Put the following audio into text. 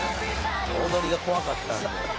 踊りが怖かったんで。